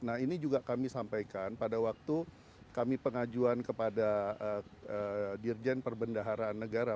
nah ini juga kami sampaikan pada waktu kami pengajuan kepada dirjen perbendaharaan negara